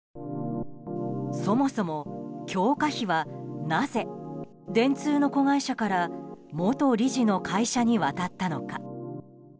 そもそも、強化費はなぜ、電通の子会社から元理事の会社に渡ったのか。